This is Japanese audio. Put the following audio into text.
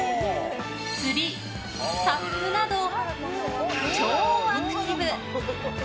釣り、サップなど超アクティブ！